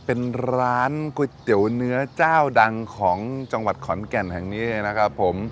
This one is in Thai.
เป็นร้านก๋วยเตี๋ยวเนื้อเจ้าดังของจังหวัดขอนแก่นแห่งนี้นะครับผม